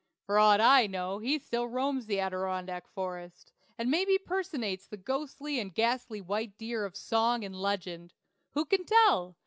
For aught I know he still roams the Adirondack forest, and maybe personates the ghostly and ghastly white deer of song and legend. Who can tell?